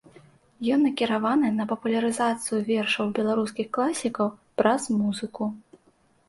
Ён накіраваны на папулярызацыю вершаў беларускіх класікаў праз музыку.